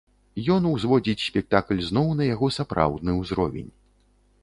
Ён узводзіць спектакль зноў на яго сапраўдны ўзровень.